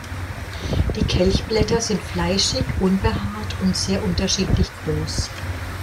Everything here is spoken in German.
Die Kelchblätter sind fleischig, unbehaart und sehr unterschiedlich groß.